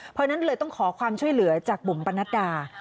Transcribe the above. เพราะฉะนั้นเลยต้องขอความช่วยเหลือจากบุ๋มปนัดดา